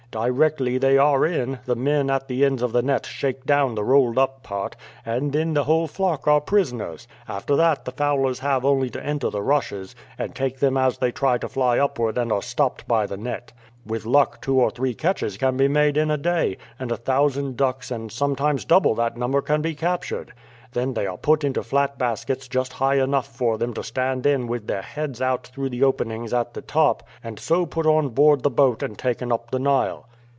Directly they are in, the men at the ends of the net shake down the rolled up part, and then the whole flock are prisoners. After that the fowlers have only to enter the rushes, and take them as they try to fly upward and are stopped by the net. With luck two or three catches can be made in a day, and a thousand ducks and sometimes double that number can be captured. Then they are put into flat baskets just high enough for them to stand in with their heads out through the openings at the top, and so put on board the boat and taken up the Nile."